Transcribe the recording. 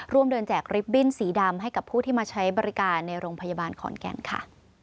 เดินแจกริบบิ้นสีดำให้กับผู้ที่มาใช้บริการในโรงพยาบาลขอนแก่นค่ะ